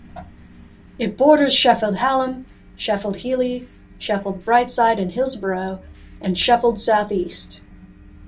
It borders Sheffield Hallam, Sheffield Heeley, Sheffield Brightside and Hillsborough and Sheffield South East.